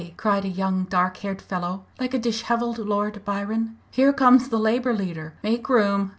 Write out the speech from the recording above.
cried a young dark haired fellow, like a dishevelled Lord Byron. "Here comes the Labour leader make room!"